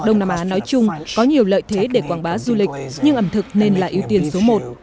đông nam á nói chung có nhiều lợi thế để quảng bá du lịch nhưng ẩm thực nên là ưu tiên số một